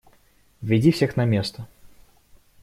Веди всех на место.